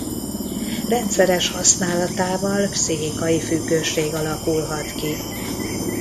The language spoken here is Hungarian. Rendszeres használatával pszichikai függőség alakulhat ki.